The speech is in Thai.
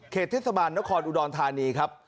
เทศบาลนครอุดรธานีครับ